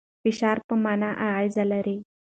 فشار پر مانا اغېز لري.